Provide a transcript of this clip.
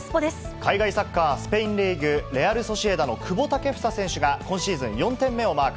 海外サッカー、スペインリーグ・レアルソシエダの久保建英選手が今シーズン４点目をマーク。